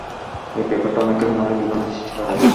এ ব্যাপারটা অনেকের মনে বিভ্রান্তি সৃষ্টি করে।